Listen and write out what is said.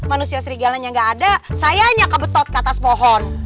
manusia serigalanya nggak ada saya hanya kebetot ke atas pohon